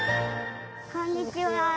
こんにちは。